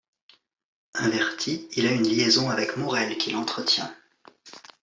Inverti, il a une liaison avec Morel qu’il entretient.